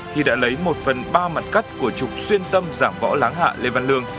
khi đã lấy một phần ba mặt cắt của trục xuyên tâm giảm võ láng hạ lê văn lương